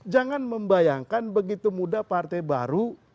jangan membayangkan begitu mudah partai baru